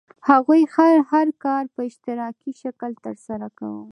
هغوی هر کار په اشتراکي شکل ترسره کاوه.